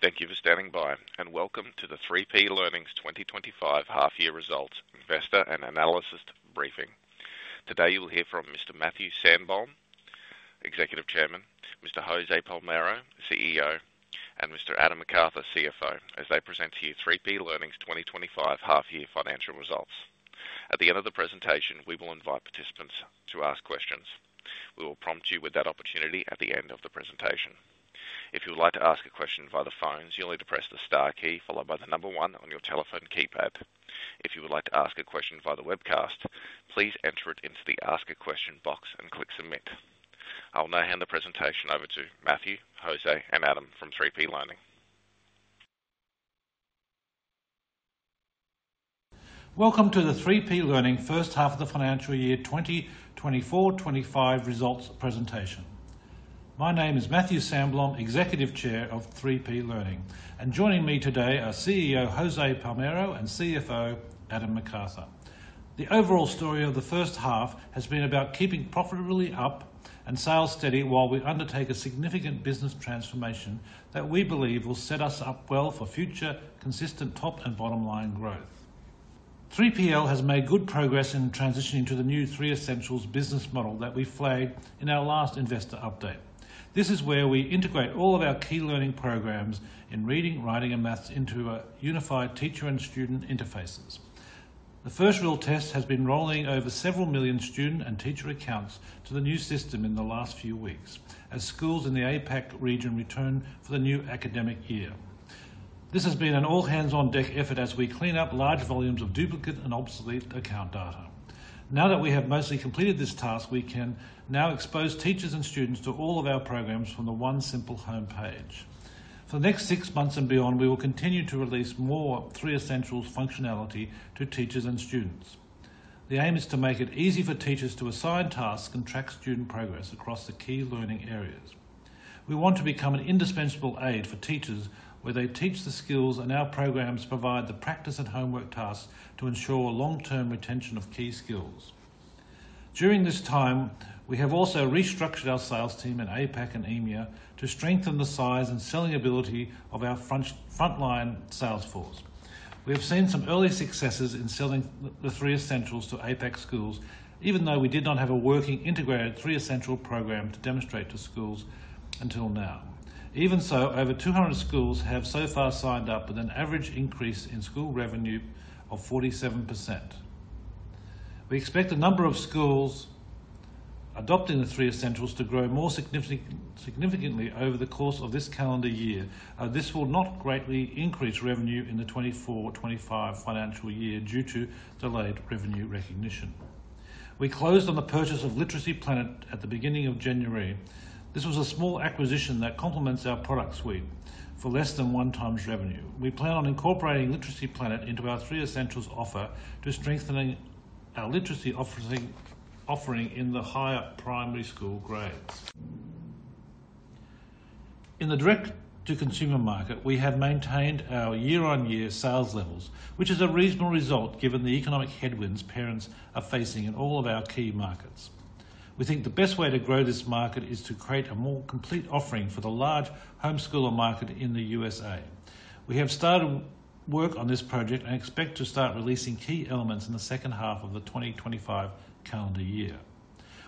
Thank you for standing by, and welcome to the 3P Learning's 2025 half-year results investor and analyst briefing. Today you will hear from Mr. Matthew Sandblom, Executive Chairman, Mr. Jose Palmero, CEO, and Mr. Adam McArthur, CFO, as they present to you 3P Learning's 2025 half-year financial results. At the end of the presentation, we will invite participants to ask questions. We will prompt you with that opportunity at the end of the presentation. If you would like to ask a question via the phones, you'll need to press the star key followed by the number one on your telephone keypad. If you would like to ask a question via the webcast, please enter it into the Ask a Question box and click Submit. I'll now hand the presentation over to Matthew, Jose, and Adam from 3P Learning. Welcome to the 3P Learning first half of the financial year 2024-2025 results presentation. My name is Matthew Sandblom, Executive Chair of 3P Learning, and joining me today are CEO Jose Palmero and CFO Adam McArthur. The overall story of the first half has been about keeping profitability up and sales steady while we undertake a significant business transformation that we believe will set us up well for future consistent top and bottom line growth. 3P Learning has made good progress in transitioning to the new Three Essentials business model that we flagged in our last investor update. This is where we integrate all of our key learning programs in reading, writing, and maths into unified teacher and student interfaces. The first real test has been rolling over several million student and teacher accounts to the new system in the last few weeks as schools in the APAC region return for the new academic year. This has been an all-hands-on-deck effort as we clean up large volumes of duplicate and obsolete account data. Now that we have mostly completed this task, we can now expose teachers and students to all of our programs from the one simple homepage. For the next six months and beyond, we will continue to release more Three Essentials functionality to teachers and students. The aim is to make it easy for teachers to assign tasks and track student progress across the key learning areas. We want to become an indispensable aid for teachers where they teach the skills and our programs provide the practice and homework tasks to ensure long-term retention of key skills. During this time, we have also restructured our sales team in APAC and EMEA to strengthen the size and selling ability of our frontline sales force. We have seen some early successes in selling the Three Essentials to APAC schools, even though we did not have a working integrated Three Essentials program to demonstrate to schools until now. Even so, over 200 schools have so far signed up with an average increase in school revenue of 47%. We expect the number of schools adopting the Three Essentials to grow more significantly over the course of this calendar year, but this will not greatly increase revenue in the 2024-2025 financial year due to delayed revenue recognition. We closed on the purchase of LiteracyPlanet at the beginning of January. This was a small acquisition that complements our product suite for less than one times revenue. We plan on incorporating LiteracyPlanet into our Three Essentials offer to strengthen our literacy offering in the higher primary school grades. In the direct-to-consumer market, we have maintained our year-on-year sales levels, which is a reasonable result given the economic headwinds parents are facing in all of our key markets. We think the best way to grow this market is to create a more complete offering for the large homeschooler market in the U.S.A. We have started work on this project and expect to start releasing key elements in the second half of the 2025 calendar year.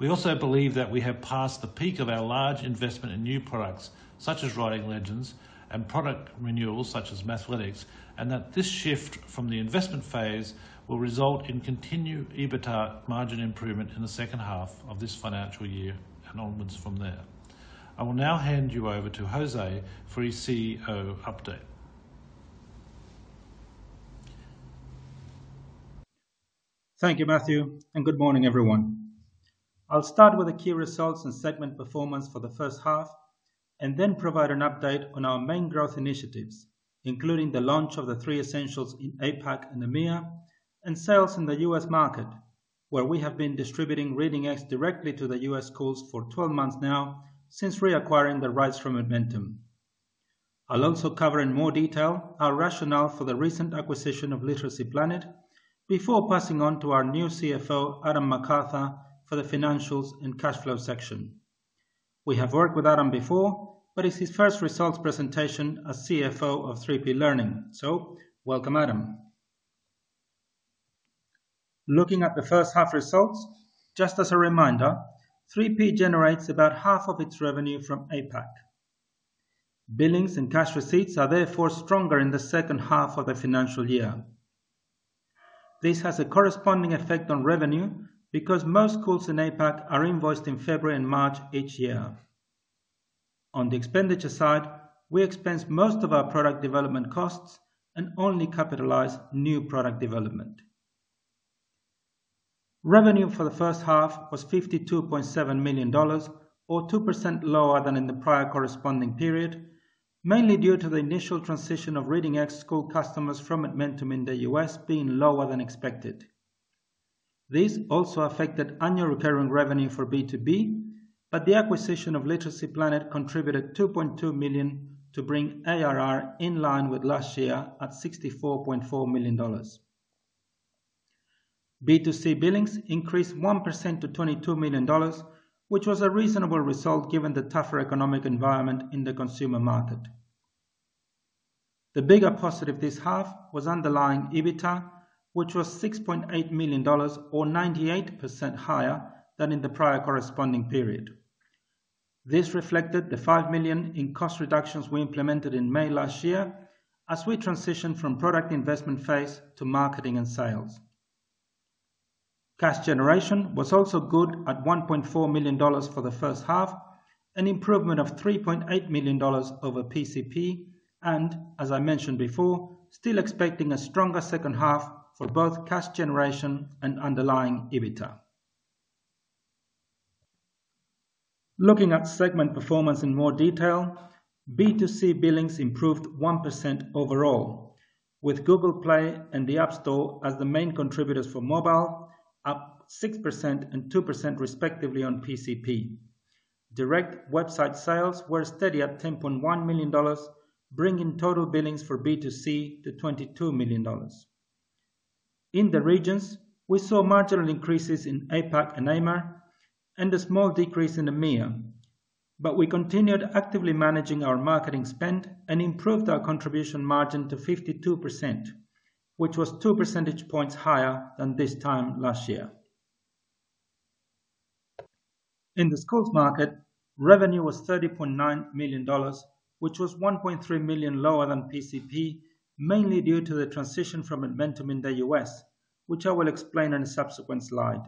We also believe that we have passed the peak of our large investment in new products such as Writing Legends and product renewals such as Mathletics, and that this shift from the investment phase will result in continued EBITDA margin improvement in the second half of this financial year and onwards from there. I will now hand you over to José for his CEO update. Thank you, Matthew, and good morning, everyone. I'll start with the key results and segment performance for the first half and then provide an update on our main growth initiatives, including the launch of the Three Essentials in APAC and EMEA and sales in the US market, where we have been distributing Reading Eggs directly to the US schools for 12 months now since reacquiring the rights from Edmentum. I'll also cover in more detail our rationale for the recent acquisition of LiteracyPlanet before passing on to our new CFO, Adam McArthur, for the financials and cash flow section. We have worked with Adam before, but it's his first results presentation as CFO of 3P Learning, so welcome, Adam. Looking at the first half results, just as a reminder, 3P generates about half of its revenue from APAC. Billings and cash receipts are therefore stronger in the second half of the financial year. This has a corresponding effect on revenue because most schools in APAC are invoiced in February and March each year. On the expenditure side, we expense most of our product development costs and only capitalize new product development. Revenue for the first half was $52.7 million, or 2% lower than in the prior corresponding period, mainly due to the initial transition of Reading Eggs school customers from Edmentum in the US being lower than expected. This also affected annual recurring revenue for B2B, but the acquisition of LiteracyPlanet contributed $2.2 million to bring ARR in line with last year at $64.4 million. B2C billings increased 1% to $22 million, which was a reasonable result given the tougher economic environment in the consumer market. The bigger positive this half was underlying EBITDA, which was $6.8 million, or 98% higher than in the prior corresponding period. This reflected the $5 million in cost reductions we implemented in May last year as we transitioned from product investment phase to marketing and sales. Cash generation was also good at $1.4 million for the first half, an improvement of $3.8 million over PCP, and, as I mentioned before, still expecting a stronger second half for both cash generation and underlying EBITDA. Looking at segment performance in more detail, B2C billings improved 1% overall, with Google Play and the App Store as the main contributors for mobile, up 6% and 2% respectively on PCP. Direct website sales were steady at $10.1 million, bringing total billings for B2C to $22 million. In the regions, we saw marginal increases in APAC and EMEA and a small decrease in EMEA, but we continued actively managing our marketing spend and improved our contribution margin to 52%, which was 2 percentage points higher than this time last year. In the schools market, revenue was $30.9 million, which was $1.3 million lower than PCP, mainly due to the transition from Edmentum in the US, which I will explain in a subsequent slide.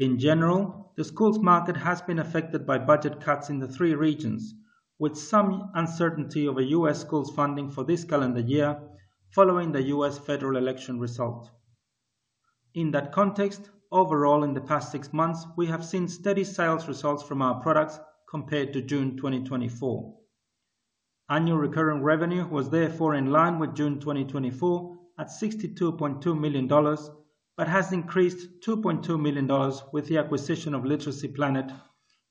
In general, the schools market has been affected by budget cuts in the three regions, with some uncertainty over US schools funding for this calendar year following the US federal election result. In that context, overall, in the past six months, we have seen steady sales results from our products compared to June 2024. Annual recurring revenue was therefore in line with June 2024 at $62.2 million, but has increased $2.2 million with the acquisition of LiteracyPlanet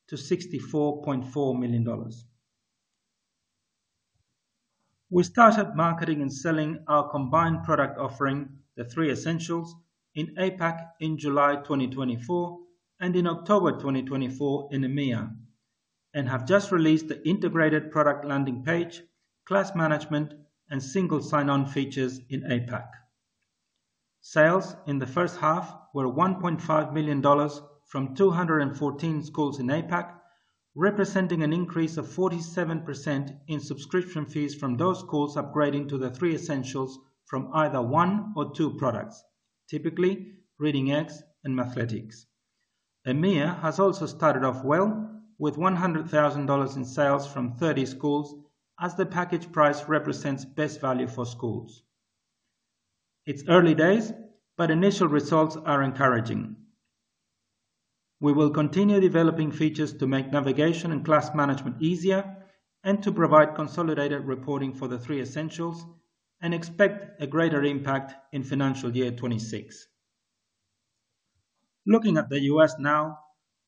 to $64.4 million. We started marketing and selling our combined product offering, the Three Essentials, in APAC in July 2024 and in October 2024 in EMEA, and have just released the integrated product landing page, class management, and single sign-on features in APAC. Sales in the first half were $1.5 million from 214 schools in APAC, representing an increase of 47% in subscription fees from those schools upgrading to the Three Essentials from either one or two products, typically Reading Eggs and Mathletics. EMEA has also started off well, with $100,000 in sales from 30 schools, as the package price represents best value for schools. It's early days, but initial results are encouraging. We will continue developing features to make navigation and class management easier and to provide consolidated reporting for the Three Essentials and expect a greater impact in financial year 2026. Looking at the U.S. now,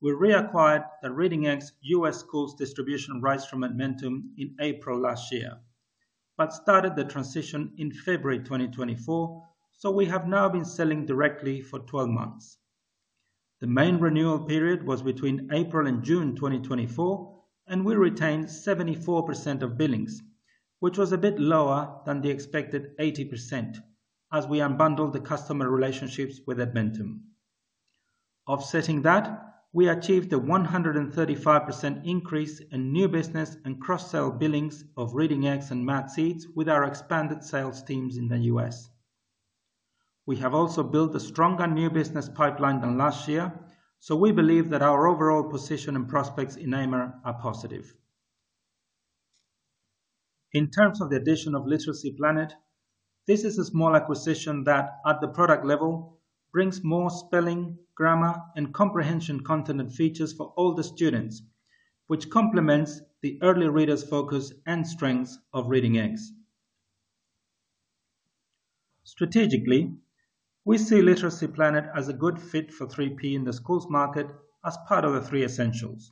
we reacquired the Reading Eggs U.S. schools distribution rights from Edmentum in April last year but started the transition in February 2024, so we have now been selling directly for 12 months. The main renewal period was between April and June 2024, and we retained 74% of billings, which was a bit lower than the expected 80% as we unbundled the customer relationships with Edmentum. Offsetting that, we achieved a 135% increase in new business and cross-sale billings of Reading Eggs and Mathseeds with our expanded sales teams in the U.S. We have also built a stronger new business pipeline than last year, so we believe that our overall position and prospects in EMEA are positive. In terms of the addition of LiteracyPlanet, this is a small acquisition that, at the product level, brings more spelling, grammar, and comprehension content and features for older students, which complements the early reader's focus and strengths of Reading Eggs. Strategically, we see LiteracyPlanet as a good fit for 3P in the schools market as part of the Three Essentials.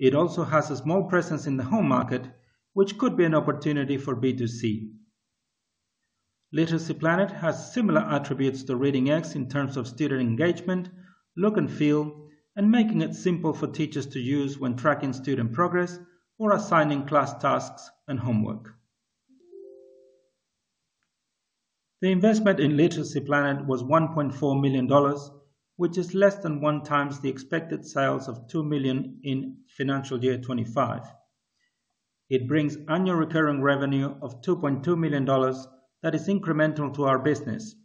It also has a small presence in the home market, which could be an opportunity for B2C. LiteracyPlanet has similar attributes to Reading Eggs in terms of student engagement, look and feel, and making it simple for teachers to use when tracking student progress or assigning class tasks and homework. The investment in LiteracyPlanet was $1.4 million, which is less than one times the expected sales of $2 million in financial year 2025. It brings annual recurring revenue of $2.2 million that is incremental to our business,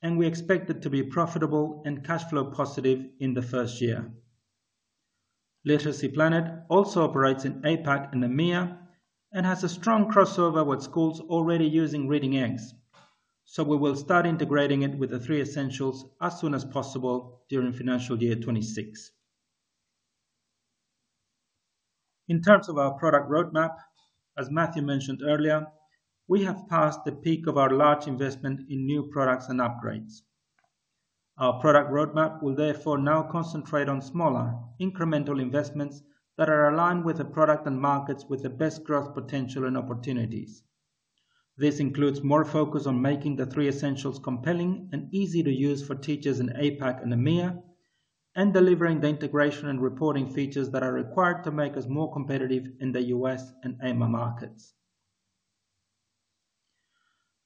and we expect it to be profitable and cash flow positive in the first year. LiteracyPlanet also operates in APAC and EMEA and has a strong crossover with schools already using Reading Eggs, so we will start integrating it with the Three Essentials as soon as possible during financial year 2026. In terms of our product roadmap, as Matthew mentioned earlier, we have passed the peak of our large investment in new products and upgrades. Our product roadmap will therefore now concentrate on smaller, incremental investments that are aligned with the product and markets with the best growth potential and opportunities. This includes more focus on making the Three Essentials compelling and easy to use for teachers in APAC and EMEA and delivering the integration and reporting features that are required to make us more competitive in the US and EMEA markets.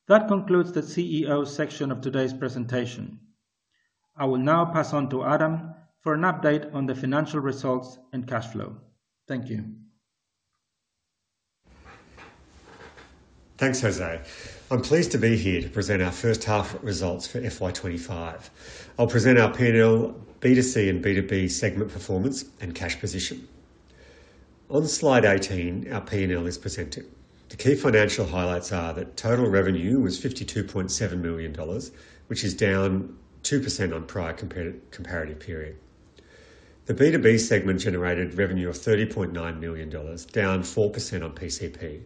That concludes the CEO section of today's presentation. I will now pass on to Adam for an update on the financial results and cash flow. Thank you. Thanks, Jose. I'm pleased to be here to present our first half results for FY2025. I'll present our P&L, B2C and B2B segment performance, and cash position. On slide 18, our P&L is presented. The key financial highlights are that total revenue was $52.7 million, which is down 2% on prior comparative period. The B2B segment generated revenue of $30.9 million, down 4% on PCP,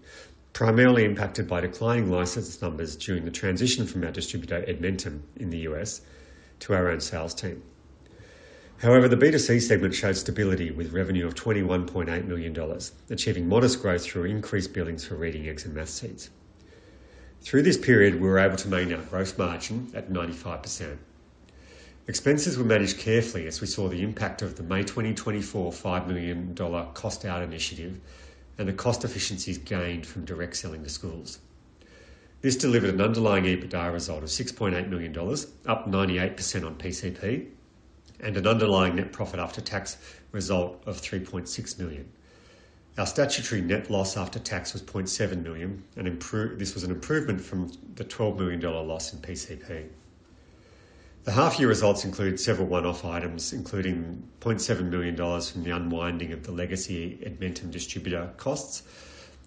primarily impacted by declining license numbers during the transition from our distributor Edmentum in the US to our own sales team. However, the B2C segment showed stability with revenue of $21.8 million, achieving modest growth through increased billings for Reading Eggs and Mathseeds. Through this period, we were able to maintain our gross margin at 95%. Expenses were managed carefully as we saw the impact of the May 2024 $5 million cost-out initiative and the cost efficiencies gained from direct selling to schools. This delivered an underlying EBITDA result of $6.8 million, up 98% on PCP, and an underlying net profit after tax result of $3.6 million. Our statutory net loss after tax was $0.7 million, and this was an improvement from the $12 million loss in PCP. The half-year results included several one-off items, including $0.7 million from the unwinding of the legacy Edmentum distributor costs,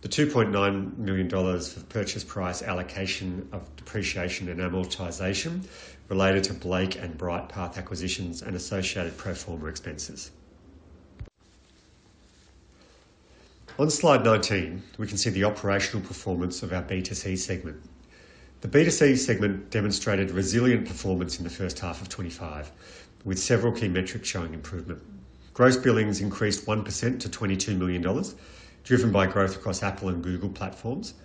the $2.9 million for purchase price allocation of depreciation and amortization related to Blake and Brightpath acquisitions and associated pro forma expenses. On slide 19, we can see the operational performance of our B2C segment. The B2C segment demonstrated resilient performance in the first half of 2025, with several key metrics showing improvement. Gross billings increased 1% to $22 million, driven by growth across Apple and Google platforms.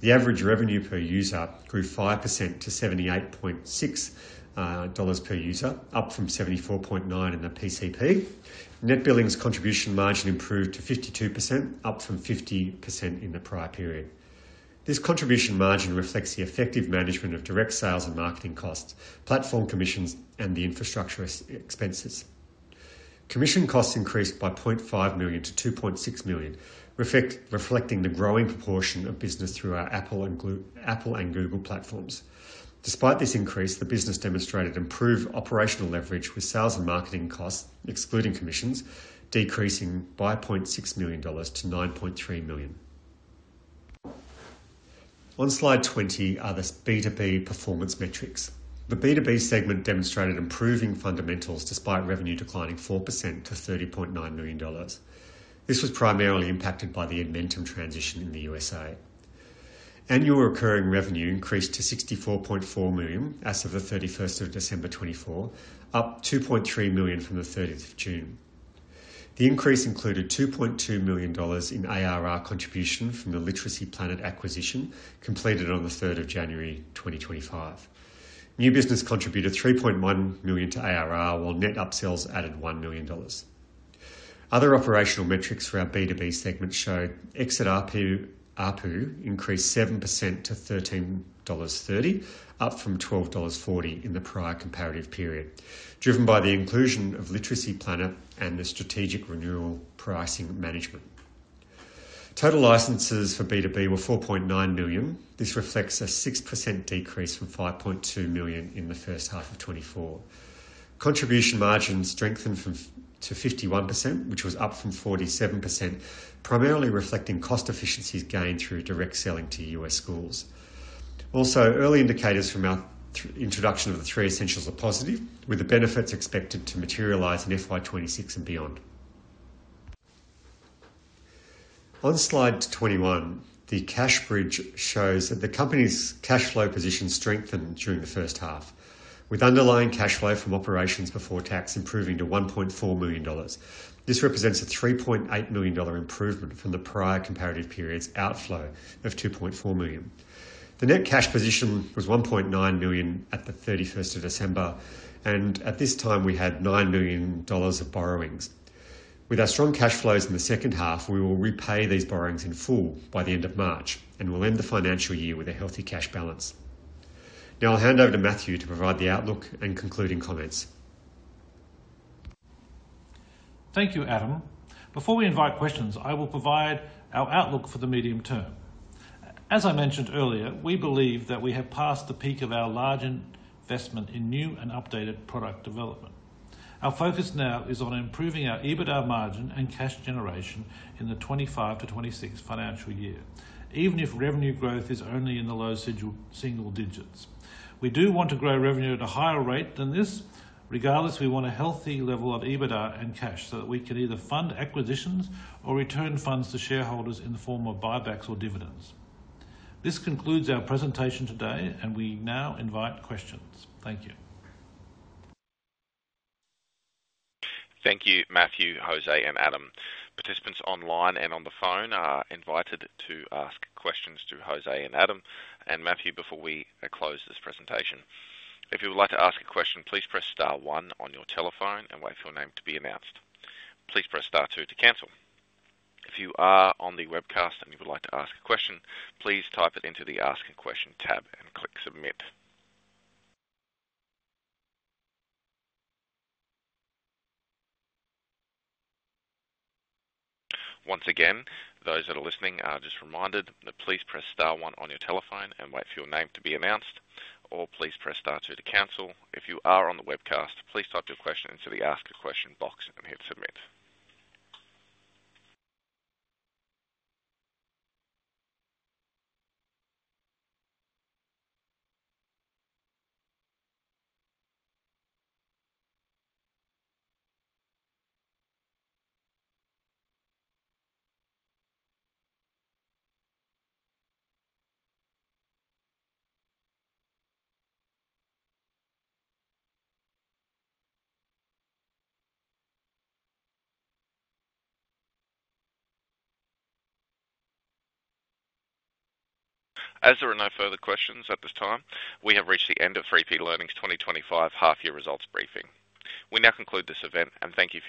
The average revenue per user grew 5% to $78.6 per user, up from $74.9 in the PCP. Net billings contribution margin improved to 52%, up from 50% in the prior period. This contribution margin reflects the effective management of direct sales and marketing costs, platform commissions, and the infrastructure expenses. Commission costs increased by $500,000 to $2.6 million, reflecting the growing proportion of business through our Apple and Google platforms. Despite this increase, the business demonstrated improved operational leverage with sales and marketing costs, excluding commissions, decreasing by $600,000 to $9.3 million. On slide 20 are the B2B performance metrics. The B2B segment demonstrated improving fundamentals despite revenue declining 4% to $30.9 million. This was primarily impacted by the Edmentum transition in the USA. Annual recurring revenue increased to $64.4 million as of the 31st of December 2024, up $2.3 million from the 30th of June. The increase included $2.2 million in ARR contribution from the LiteracyPlanet acquisition completed on the 3rd of January 2025. New business contributed $3.1 million to ARR, while net upsells added $1 million. Other operational metrics for our B2B segment showed exit RPU increased 7% to $13.30, up from $12.40 in the prior comparative period, driven by the inclusion of LiteracyPlanet and the strategic renewal pricing management. Total licenses for B2B were 4.9 million. This reflects a 6% decrease from 5.2 million in the first half of 2024. Contribution margin strengthened to 51%, which was up from 47%, primarily reflecting cost efficiencies gained through direct selling to US schools. Also, early indicators from our introduction of the Three Essentials are positive, with the benefits expected to materialize in FY2026 and beyond. On slide 21, the cash bridge shows that the company's cash flow position strengthened during the first half, with underlying cash flow from operations before tax improving to $1.4 million. This represents a $3.8 million improvement from the prior comparative period's outflow of $2.4 million. The net cash position was $1.9 million at the 31st of December, and at this time, we had $9 million of borrowings. With our strong cash flows in the second half, we will repay these borrowings in full by the end of March and will end the financial year with a healthy cash balance. Now, I'll hand over to Matthew to provide the outlook and concluding comments. Thank you, Adam. Before we invite questions, I will provide our outlook for the medium term. As I mentioned earlier, we believe that we have passed the peak of our large investment in new and updated product development. Our focus now is on improving our EBITDA margin and cash generation in the 2025 to 2026 financial year, even if revenue growth is only in the low single digits. We do want to grow revenue at a higher rate than this. Regardless, we want a healthy level of EBITDA and cash so that we can either fund acquisitions or return funds to shareholders in the form of buybacks or dividends. This concludes our presentation today, and we now invite questions. Thank you. Thank you, Matthew, José, and Adam. Participants online and on the phone are invited to ask questions to José and Adam. Matthew, before we close this presentation, if you would like to ask a question, please press star one on your telephone and wait for your name to be announced. Please press star two to cancel. If you are on the webcast and you would like to ask a question, please type it into the Ask a Question tab and click Submit. Once again, those that are listening are just reminded that please press star one on your telephone and wait for your name to be announced, or please press star two to cancel. If you are on the webcast, please type your question into the Ask a Question box and hit Submit. As there are no further questions at this time, we have reached the end of 3P Learning's 2025 half-year results briefing. We now conclude this event and thank you.